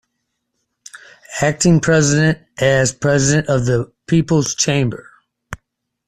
Acting President, as President of the People's Chamber.